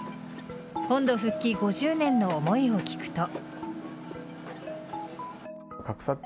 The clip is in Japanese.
本土復帰５０年の思いを聞くと。